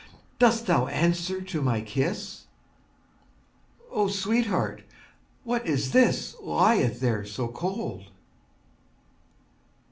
Dost thou answer to my kiss? O sweetheart! what is this Lieth there so cold?